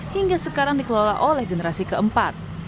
hingga sekarang dikelola oleh generasi keempat